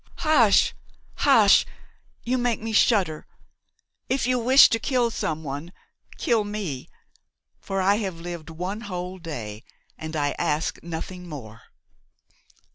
"Hush! hush! you make me shudder! If you wish to kill some one, kill me; for I have lived one whole day and I ask nothing more."